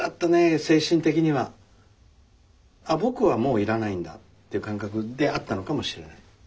あっ僕はもう要らないんだっていう感覚であったのかもしれない。